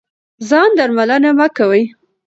ځان درملنه مه کوئ.